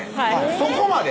そこまで？